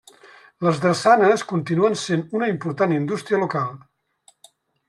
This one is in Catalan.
Les drassanes continuen sent una important indústria local.